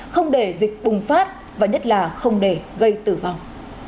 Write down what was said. không để dịch bùng phát và nhất là không để gây tử vong